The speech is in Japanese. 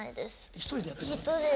一人でやってるの？